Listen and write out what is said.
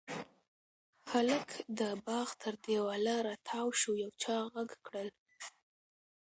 هلک د باغ تر دېواله را تاو شو، يو چا غږ کړل: